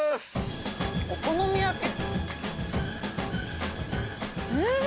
お好み焼き。